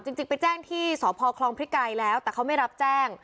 จริงไปแจ้งที่สพคลองพริกัยแล้วแต่เขาไม่รับแจ้ง